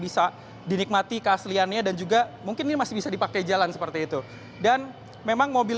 bisa dinikmati keasliannya dan juga mungkin ini masih bisa dipakai jalan seperti itu dan memang mobil